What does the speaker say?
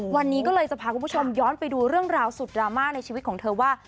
วันนี้ก็เลยจะพาคุณผู้ชมย้อนไปดูเรื่องราวสุดดราม่าในชีวิตของเธอว่า